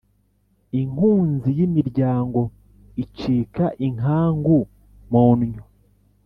Inkunzi y’imiryango icika inkangu mu nnyo.